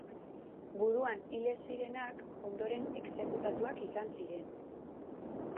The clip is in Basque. Guduan hil ez zirenak ondoren exekutatuak izan ziren.